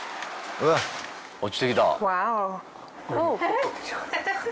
落ちてきた。